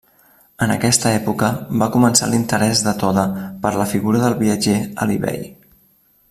En aquesta època va començar l'interès de Toda per la figura del viatger Alí Bei.